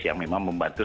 yang memang membantu